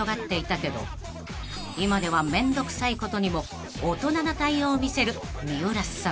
［今ではめんどくさいことにも大人な対応を見せる三浦さん］